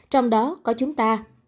trong đó có chúng ta